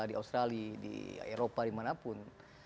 di australia di eropa dimanapun